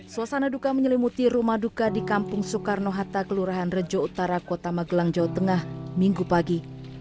suasana duka menyelimuti rumah duka di kampung soekarno hatta kelurahan rejo utara kota magelang jawa tengah minggu pagi